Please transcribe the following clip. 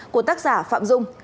của tác giả phạm dung